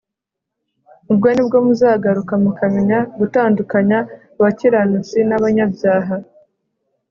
Ubwo ni bwo muzagaruka mukamenya gutandukanya abakiranutsi n’abanyabyaha